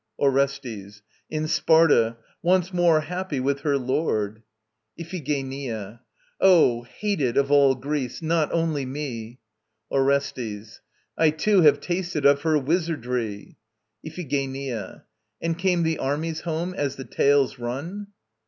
ORESTES. In Sparta! Once more happy with her lord! IPHIGENIA. Oh. hated of all Greece, not only me! ORESTES. I too have tasted of her wizardry. IPHIGENIA. And came the armies home, as the tales run?